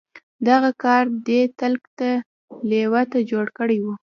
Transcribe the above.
دغه کار دی تلک دې لېوه ته جوړ کړی و.